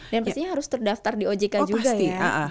dan pastinya harus terdaftar di ojk juga ya